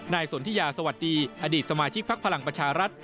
สนทิยาสวัสดีอดีตสมาชิกพักพลังประชารัฐ